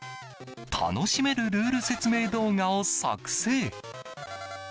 楽しめるルール説明動画を作成。